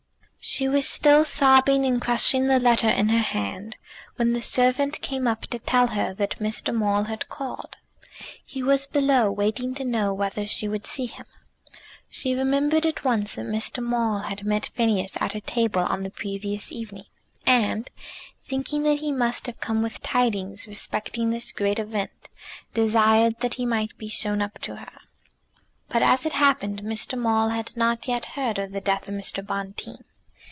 She was still sobbing and crushing the letter in her hand when the servant came up to tell her that Mr. Maule had called. He was below, waiting to know whether she would see him. She remembered at once that Mr. Maule had met Phineas at her table on the previous evening, and, thinking that he must have come with tidings respecting this great event, desired that he might be shown up to her. But, as it happened, Mr. Maule had not yet heard of the death of Mr. Bonteen.